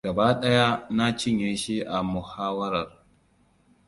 Gaba ɗaya na cinye shi a muhawarar.